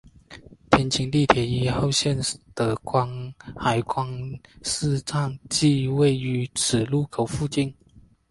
天津地铁一号线的海光寺站即位于此路口附近。